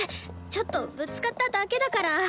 ちょっとぶつかっただけだから。